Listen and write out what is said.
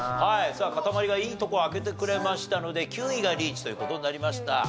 かたまりがいいとこを開けてくれましたので９位がリーチという事になりました。